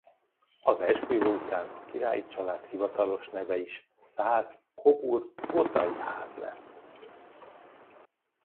Az esküvő után a királyi család hivatalos neve is Szász–Coburg–Gothai-ház lett.